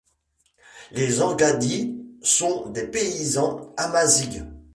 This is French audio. Les Angadis sont des paysans amazighs.